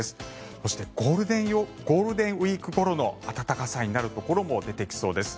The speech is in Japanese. そしてゴールデンウィークごろの暖かさになるところも出てきそうです。